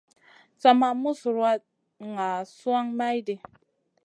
Sa ma mus ruwatn ŋa suan mayɗi.